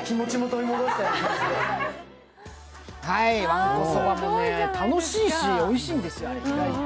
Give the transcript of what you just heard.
わんこそばも楽しいし、おいしいんですよ、あれ、意外と。